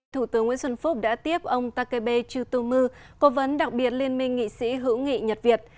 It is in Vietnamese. thủ tướng nguyễn xuân phúc đã tiếp ông takebe chutomu cố vấn đặc biệt liên minh nghị sĩ hữu nghị nhật việt